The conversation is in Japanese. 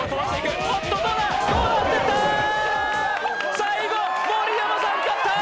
最後、盛山さん勝った！